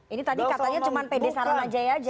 ini tadi katanya cuma pd saranajaya aja